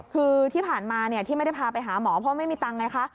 คือที่ผ่านมาที่ไม่ได้พาไปหาหมอเพราะไม่มีตังค์ไงคะ